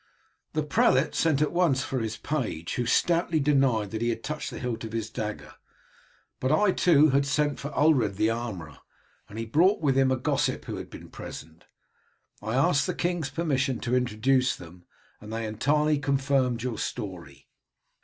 "The prelate sent at once for his page, who stoutly denied that he had touched the hilt of his dagger, but I too had sent off for Ulred, the armourer, and he brought with him a gossip who had also been present. I asked the king's permission to introduce them, and they entirely confirmed your story.